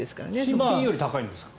新品より高いんですか。